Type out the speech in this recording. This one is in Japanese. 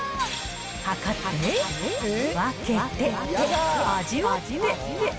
計って、分けて、味わって。